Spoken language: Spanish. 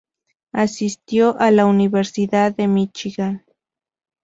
Asistió a la Universidad de Michigan.